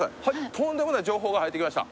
とんでもない情報が入ってきました